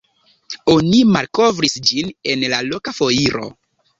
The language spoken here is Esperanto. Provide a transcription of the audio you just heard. Oni malkovris ĝin en loka foiro.